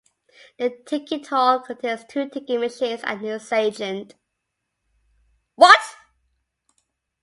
The ticket hall contains two ticket machines and a newsagent.